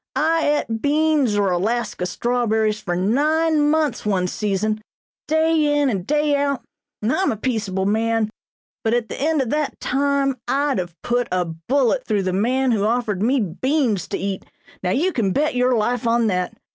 I et beans or 'Alaska strawberries' for nine months one season, day in and day out, and I'm a peaceable man, but at the end of that time I'd have put a bullet through the man who offered me beans to eat, now you can bet your life on that!